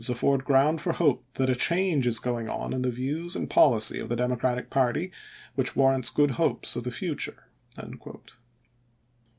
. afford ground for hope that a change is going on in the views and policy of the Democratic party which warrants good hopes of the future."